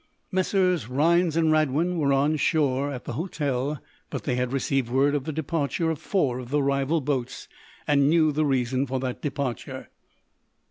'" Messrs. Rhinds and Radwin were on shore, at the hotel, but they had received word of the departure of four of the rival boats, and knew the reason for that departure.